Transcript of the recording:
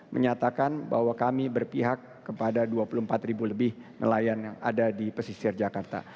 kami ingin berpihak kepada dua puluh empat nelayan yang ada di pesisir jakarta